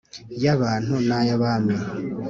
ya bantu na y’abami,